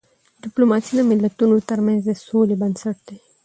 ډيپلوماسی د ملتونو ترمنځ د سولې بنسټ دی.